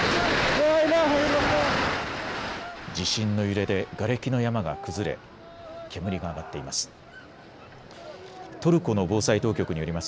地震の揺れでがれきの山が崩れ、煙が上がっています。